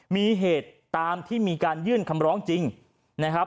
มีเหตุตามที่มีการยื่นคำร้องจริงนะครับ